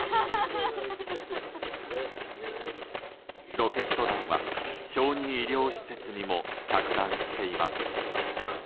ロケット弾は、小児医療施設にも着弾しています。